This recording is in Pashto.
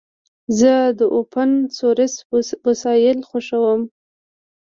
زه د اوپن سورس وسایل خوښوم.